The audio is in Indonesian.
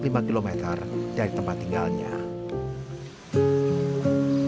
lima kilometer dari tempat tinggalnya nanti tak pernah menyangka anak pertamanya yang lahir pada